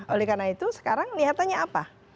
oleh karena itu sekarang kelihatannya apa